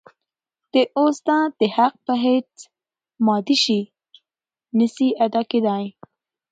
د استاد د حق په هيڅ مادي شي نسي ادا کيدای.